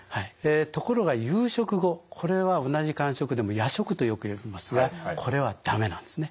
ところが夕食後これは同じ間食でも夜食とよく呼びますがこれは駄目なんですね。